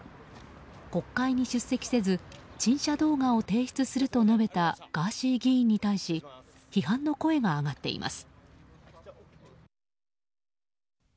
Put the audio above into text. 国会に出席せず陳謝動画を提出すると述べたガーシー議員に対し批判の声が上がっています。